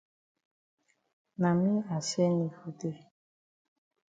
Na me I send yi for dey.